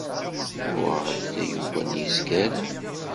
Uɣeɣ-d tayuga n yezgaren.